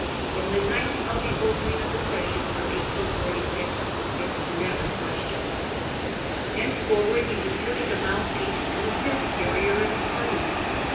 From the night of the open ing of the session of 1846 it was never questioned. Thenceforward he was really the mouthpiece and the sense carrier of his party.